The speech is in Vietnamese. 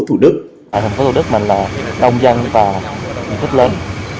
tp thủ đức là đông dân và thích lớn